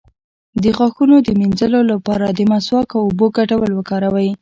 د غاښونو د مینځلو لپاره د مسواک او اوبو ګډول وکاروئ